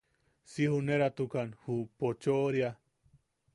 Si juneratukan ju pochoʼoria.